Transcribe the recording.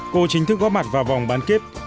cô chính thức có mặt vào vòng bán kết